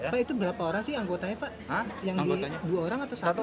pak itu berapa orang sih anggotanya pak yang di dua orang atau siapa